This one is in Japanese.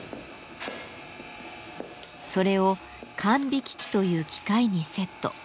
それを管引機という機械にセット。